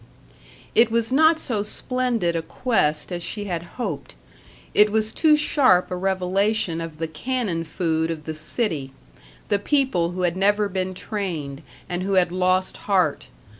It was not so splendid a quest as she had hoped; it was too sharp a revelation of the cannon food of the city, the people who had never been trained, and who had lost heart.